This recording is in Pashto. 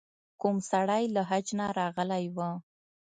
کوم سړی له حج نه راغلی و.